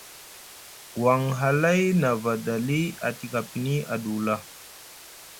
Won hlay nʼa vada li, a tika pini a ɗuula.